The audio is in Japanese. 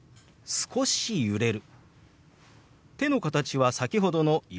「少し揺れる」。